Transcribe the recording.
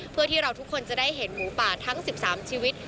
เพื่อที่เราทุกคนจะได้เห็นหมูป่าทั้ง๑๓ชีวิต